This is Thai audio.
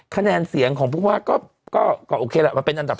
คะแนนเสียงของผู้ว่าก็โอเคแหละมันเป็นอันดับ๓